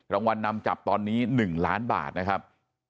รางวัลนำจับตอนนี้๑ล้านบาทนะครับ